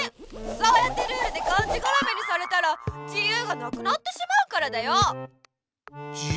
そうやってルールでがんじがらめにされたらじゆうがなくなってしまうからだよ！